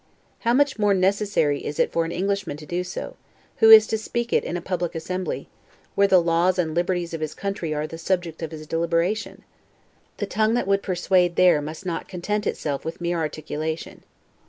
How much more necessary is it for an Englishman to do so, who is to speak it in a public assembly, where the laws and liberties of his country are the subjects of his deliberation? The tongue that would persuade there, must not content itself with mere articulation.